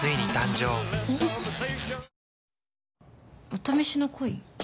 お試しの恋？